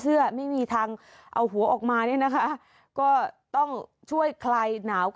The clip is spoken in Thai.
เสื้อไม่มีทางเอาหัวออกมา